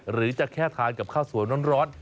หรือจะแค่ทานกับข้าวสวยร้อน